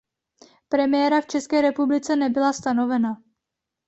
Premiéra v České republice nebyla stanovena.